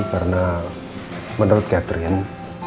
karena menurut catherine